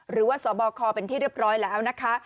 หรือว่าสบคเป็นที่เรียบร้อยแล้วนะคะ